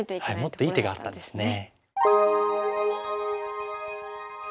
もっといい手があったんですね。